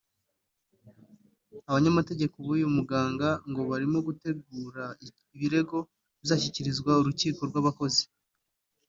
Abanyamategeko b’uyu muganga ngo barimo gutegura ibirego bizashyikirizwa urukiko rw’abakozi